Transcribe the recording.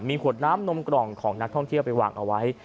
มีขวดน้ำนมกล่องของนักท่องเที่ยวไปวางเอาไว้